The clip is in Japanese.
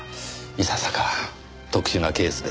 いささか特殊なケースですねぇ。